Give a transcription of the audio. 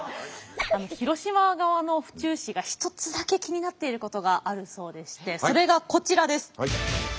広島側の府中市が一つだけ気になっていることがあるそうでしてそれがこちらです。